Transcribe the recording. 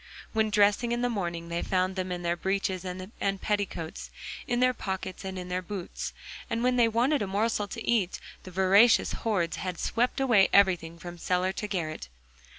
When dressing in the morning they found them in their breeches and petticoats, in their pockets and in their boots; and when they wanted a morsel to eat, the voracious horde had swept away everything from cellar to garret.